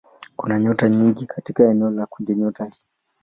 Kuna nyota nyingi katika eneo la kundinyota hii.